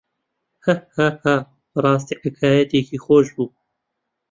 هاهاها بەڕاستی حەکایەتێکی خۆش بوو.